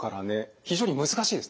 非常に難しいですね。